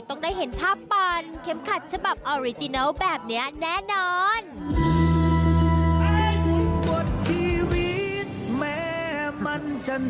ต้องได้เห็นภาพปั่นเข็มขัดฉบับออริจินัลแบบนี้แน่นอน